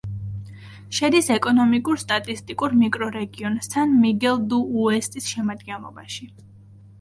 შედის ეკონომიკურ-სტატისტიკურ მიკრორეგიონ სან-მიგელ-დუ-უესტის შემადგენლობაში.